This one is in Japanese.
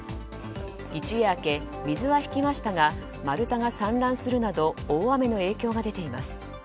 一夜明け、水は引きましたが丸太が散乱するなど大雨の影響が出ています。